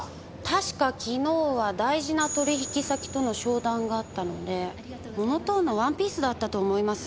確か昨日は大事な取引先との商談があったのでモノトーンのワンピースだったと思います。